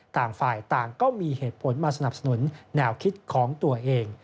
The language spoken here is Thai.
ต่างฝ่ายต่างก็มีเหตุผลมาสนับสนุนแนวคิดของตัวเอง